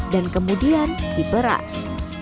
dan kemudian diberas